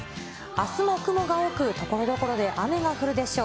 あすも雲が多く、ところどころで雨が降るでしょう。